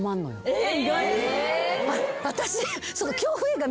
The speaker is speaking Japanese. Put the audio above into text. えっ！